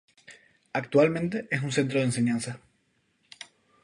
Actualmente es un centro de enseñanza.